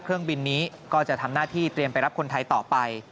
เครื่องบินนี้ก็จะทำหน้าที่เตรียมไปรับคนไทยต่อไป